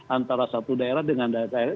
antara satu daerah dengan daerah